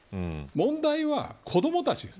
問題は子どもたちです。